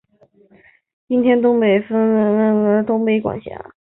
今北大东岛在行政区划上属于冲绳县岛尻郡北大东村管辖。